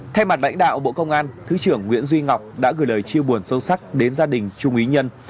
thay mặt lãnh đạo bộ công an thứ trưởng nguyễn duy ngọc đã gửi lời chia buồn sâu sắc đến gia đình trung ý nhân